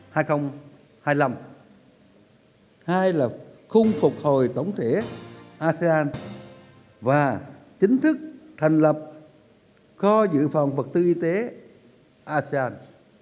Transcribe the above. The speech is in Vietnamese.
câu hỏi thứ hai là khung phục hồi tổng thể asean và chính thức thành lập kho dự phòng vật tư y tế asean